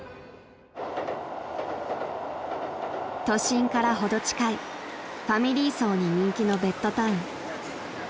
［都心から程近いファミリー層に人気のベッドタウン］